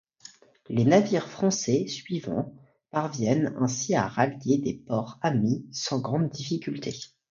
Les navires français survivants parviennent ainsi à rallier des ports amis sans grande difficulté.